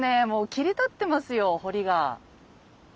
もう切り立ってますよ堀が。